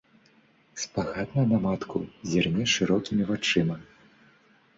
Спагадна на матку зірне шырокімі вачыма.